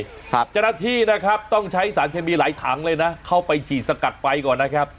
เจ้าหน้าที่นะครับต้องใช้สารเคมีหลายถังเลยนะเข้าไปฉีดสกัดไฟก่อนนะครับ